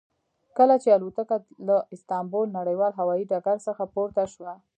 کله چې الوتکه له استانبول نړیوال هوایي ډګر څخه پورته شوه.